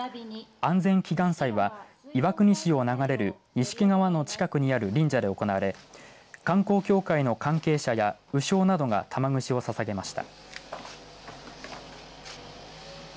安全祈願祭は岩国市を流れる錦川の近くにある神社で行われ観光協会の関係者や鵜匠などが玉串をささげました。